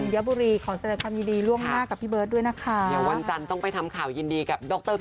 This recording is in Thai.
ยินดีด้วยนะคะ